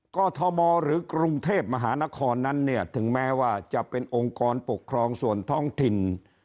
กรทมหรือกรุงเทพมหานครนั้นเนี่ยถึงแม้ว่าจะเป็นองค์กรปกครองส่วนท้องถิ่น